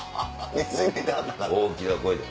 大きな声で。